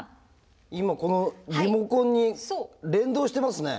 今このリモコンに連動してますね。